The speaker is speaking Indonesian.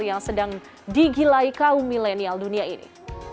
yang sedang digilai kaum milenial dunia ini